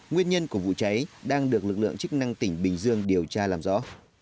nguyên nhân của vụ cháy đang được lực lượng chức năng tỉnh bình dương điều tra làm rõ